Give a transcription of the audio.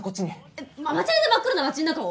えっママチャリで真っ暗な町の中を？